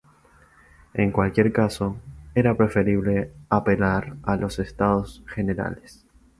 En cualquier caso, era preferible apelar a los Estados Generales.